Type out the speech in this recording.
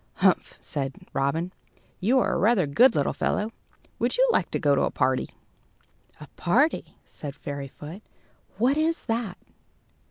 "Humph!" said Robin, "you are a rather good little fellow. Would you like to go to a party?" "A party!" said Fairyfoot. "What is that?"